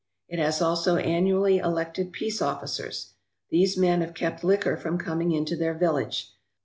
It has also annually elected peace officers. These men have kept liquor from coming into their village.